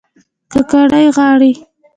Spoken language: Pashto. کاکړۍ غاړي